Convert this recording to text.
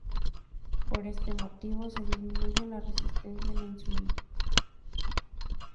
Por este motivo, se disminuye la resistencia a la insulina.